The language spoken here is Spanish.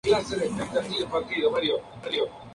En total, figura en quince álbumes.